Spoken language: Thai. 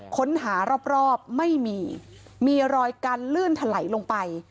ค้นหารอบไม่มีมีรอยกันลื่นถลายลงไป